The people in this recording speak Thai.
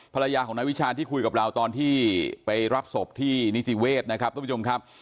ภรรยาของนาวิชาที่คุยกับเราตอนที่ไปรับศพที่นิติเวศนะครับ